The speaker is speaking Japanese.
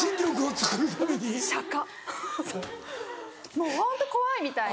もうホント怖いみたいで。